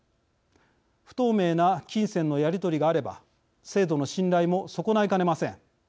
不透明な金銭のやり取りがあれば制度の信頼も損ないかねません。